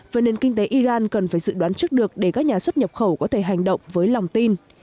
và nền kinh tế iran cần phải dự đoán trước được để các nhà xuất nhập khẩu có thể hành động với lòng tin